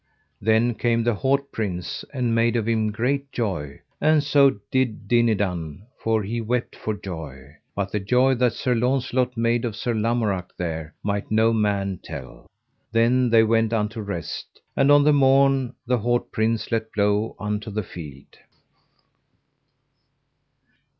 Then came the haut prince, and he made of him great joy, and so did Dinadan, for he wept for joy; but the joy that Sir Launcelot made of Sir Lamorak there might no man tell. Then they went unto rest, and on the morn the haut prince let blow unto the field.